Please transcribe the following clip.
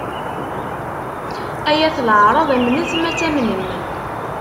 Ay at leɛraḍ! Amnet ma ad tamnem.